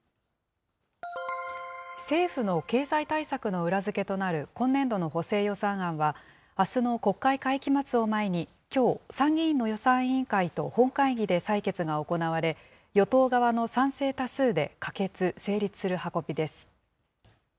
政府の経済対策の裏付けとなる今年度の補正予算案は、あすの国会会期末を前に、きょう、参議院の予算委員会と本会議で採決が行われ、与党側の賛成多数で可決・成立する運びです。